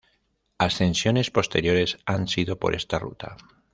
Ascensiones posteriores han sido por esta ruta.